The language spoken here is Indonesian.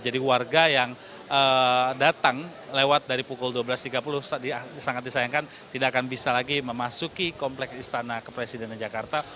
jadi warga yang datang lewat dari pukul dua belas tiga puluh sangat disayangkan tidak akan bisa lagi memasuki kompleks istana kepresidenan jakarta